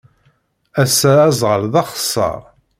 Ass-a, aẓɣal d axeṣṣar.